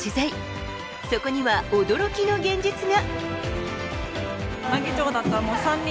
そこには驚きの現実が。